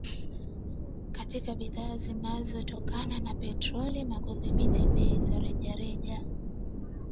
katika bidhaa zinazotokana na petroli na kudhibiti bei za rejareja